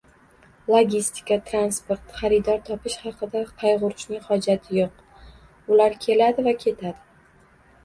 Logistika, transport, xaridor topish haqida qayg'urishning hojati yo'q, ular keladi va ketadi